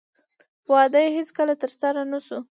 واده یې هېڅکله ترسره نه شو